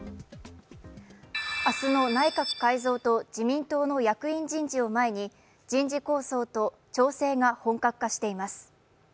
明日の内閣改造と自民党役員人事を前に人事構想と調整が本格化しています。